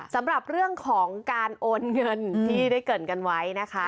สำหรับเรื่องของการโอนเงินที่ได้เกิดกันไว้นะคะ